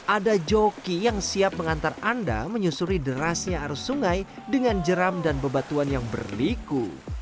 ada joki yang siap mengantar anda menyusuri derasnya arus sungai dengan jeram dan bebatuan yang berliku